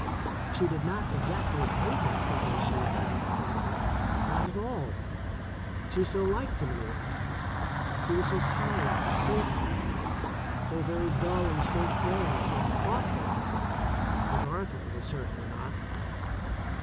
She did not exactly hate him because she had found Arthur — not at all. She still liked him in a way — he was so kind and faithful, so very dull and straightforward and thoughtful of her, which Arthur was certainly not.